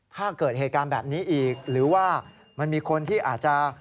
ถ้าเกิดเหตุการณ์แบบนี้อีกหรือว่ามันมีคนที่อาจจะ